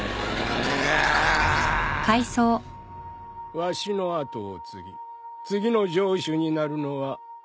わしの跡を継ぎ次の城主になるのは